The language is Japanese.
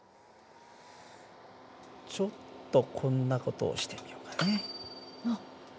ちょっとこんな事をしてみようかね。